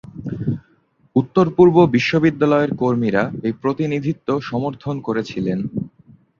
উত্তর-পূর্ব বিশ্ববিদ্যালয়ের কর্মীরা এই প্রতিনিধিত্ব সমর্থন করেছিলেন।